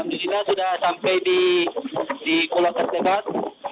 nah sudah sampai di pulau terdekat